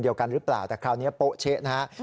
เดียวกันหรือเปล่าแต่คราวนี้โป๊ะเช๊ะนะครับ